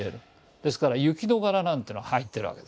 ですから雪の柄なんての入ってるわけですね。